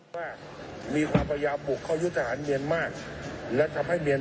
ว่ามีความพยายามบุกเข้ายุทธหารเมียนมากและทำให้เมียน